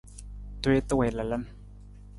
Tuwiita wii lalan.